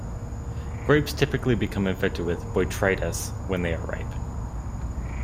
Grapes typically become infected with "Botrytis" when they are ripe.